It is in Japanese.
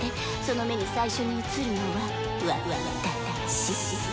その目に最初に映るのはワ・タ・シ！